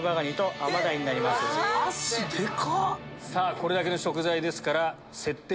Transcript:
これだけの食材ですから。